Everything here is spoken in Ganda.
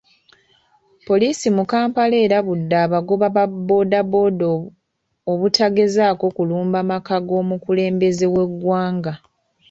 Poliisi mu Kampala erabudde abagoba ba bbooda bbooda obutagezaako kulumba maka g'omukulembeze w'eggwanga.